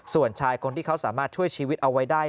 ส่วนชายคนที่เขาสามารถช่วยชีวิตเอาไว้ได้